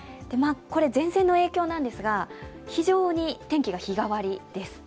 これ前線の影響なんですが、非常に天気が日替わりです。